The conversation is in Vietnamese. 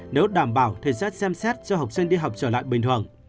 nếu đảm bảo thì sẽ xem xét cho học sinh đi học trở lại bình thường